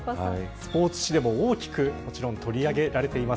スポーツ紙でも大きくもちろん取り上げられています。